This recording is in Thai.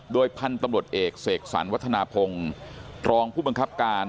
โดยพันธุ์ตำรวจเอกเสกสรรวัฒนาพงศ์รองผู้บังคับการ